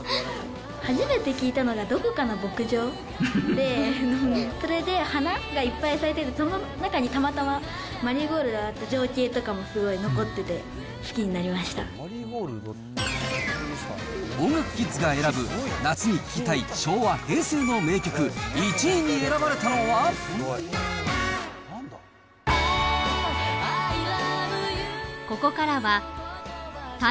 初めて聴いたのが、どこかの牧場で、それで花がいっぱい咲いてて、その中にたまたまマリーゴールドがあった情景とかもすごい残って合唱団や音楽教室に通う小学生が選んだ夏に聴きたい昭和・平成の名曲、いよいよ第１位の発表。